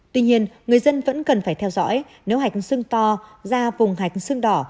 tuy nhiên người dân vẫn cần phải theo dõi nếu hạch sưng to ra vùng hạch sưng đỏ